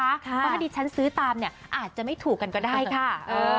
เพราะถ้าดิฉันซื้อตามเนี่ยอาจจะไม่ถูกกันก็ได้ค่ะ